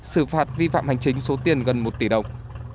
xử phạt vi phạm hành chính số tiền gần một tỷ đồng